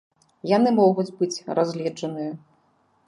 Яны могуць быць разгледжаныя.